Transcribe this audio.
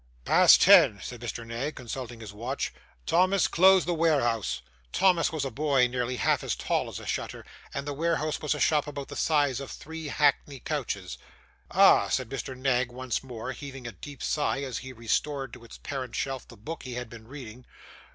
'Past ten,' said Mr. Knag, consulting his watch. 'Thomas, close the warehouse.' Thomas was a boy nearly half as tall as a shutter, and the warehouse was a shop about the size of three hackney coaches. 'Ah!' said Mr. Knag once more, heaving a deep sigh as he restored to its parent shelf the book he had been reading.